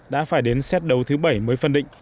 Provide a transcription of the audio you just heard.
đã phải đến xét đấu thứ bảy mới phân định